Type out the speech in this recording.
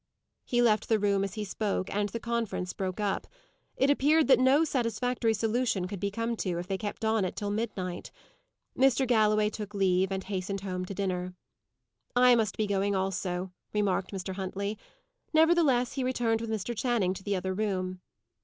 He left the room as he spoke, and the conference broke up. It appeared that no satisfactory solution could be come to, if they kept it on till midnight. Mr. Galloway took leave, and hastened home to dinner. "I must be going also," remarked Mr. Huntley. Nevertheless, he returned with Mr. Channing to the other room.